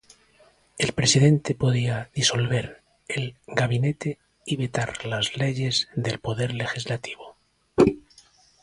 El presidente podía disolver el gabinete y vetar las leyes del poder legislativo.